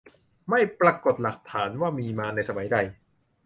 ไม่ปรากฏหลักฐานว่ามีมาในสมัยใด